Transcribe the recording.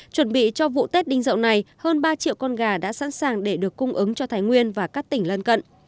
chuẩn bị cho vụ tết đinh dậu này hơn ba triệu con gà đã sẵn sàng để được cung ứng cho thái nguyên và các tỉnh lân cận